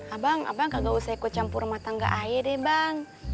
abang abang gak usah ikut campur rumah tangga ayah deh bang